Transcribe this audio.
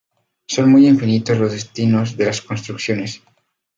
Hoy son infinitos los destinos de las construcciones.